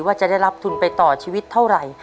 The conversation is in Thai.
ว่าจะได้รับทุนไปต่อชีวิตเท่าไหร่